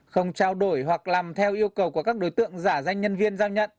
không trao đổi hoặc làm theo yêu cầu của các đối tượng giả danh nhân viên giao nhận